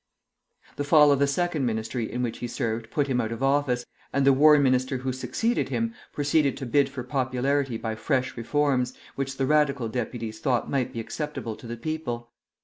The fall of the second Ministry in which he served put him out of office, and the War Minister who succeeded him proceeded to bid for popularity by fresh reforms, which the Radical Deputies thought might be acceptable to the people.